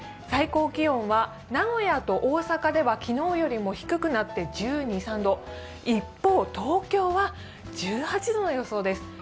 最高気温は名古屋と大阪では昨日よりも低くなって１２１３度一方、東京は１８度の予想です。